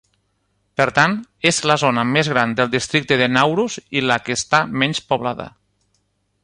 Per tant, és la zona més gran del districte de Naurus i la que està menys poblada.